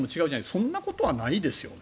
そんなことはないですよね？